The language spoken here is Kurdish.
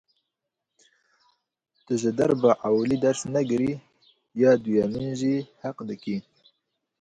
Tu ji derba ewilî ders negirî, ya duyemîn jî heq dikî.